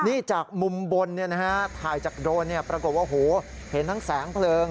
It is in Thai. นี่จากมุมบนถ่ายจากโดรนปรากฏว่าโหเห็นทั้งแสงเพลิง